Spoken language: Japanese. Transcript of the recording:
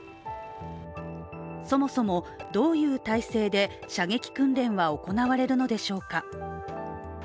そもそもどういう体制で射撃訓練は行われるのでしょうか。